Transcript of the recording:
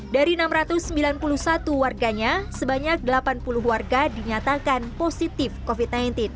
dari enam ratus sembilan puluh satu warganya sebanyak delapan puluh warga dinyatakan positif covid sembilan belas